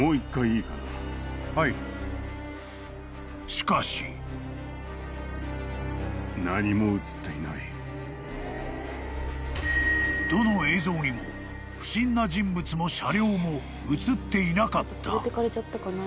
［しかし］［どの映像にも不審な人物も車両も写っていなかった］